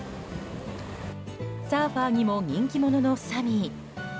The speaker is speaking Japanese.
サーファーにも人気者のサミー。